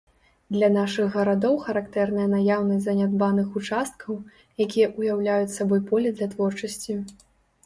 Для нашых гарадоў характэрная наяўнасць занядбаных участкаў, якія ўяўляюць сабой поле для творчасці.